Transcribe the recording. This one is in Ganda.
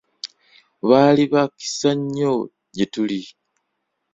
Baali ba kisa nnyo gye tuli.